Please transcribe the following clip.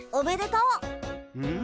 うん？